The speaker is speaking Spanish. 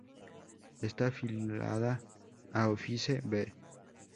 Está afiliada a Office-Be.